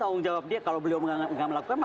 tanggung jawab dia kalau beliau nggak melakukan